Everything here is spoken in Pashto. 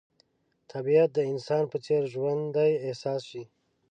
طبیعت د انسان په څېر ژوندی احساس شي.